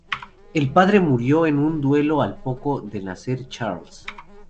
El padre murió en un duelo al poco de nacer Charles.